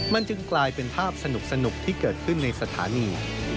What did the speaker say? มันจึงกลายเป็นภาพสนุกที่เกิดขึ้นในสถานี